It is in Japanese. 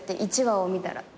１話を見たら。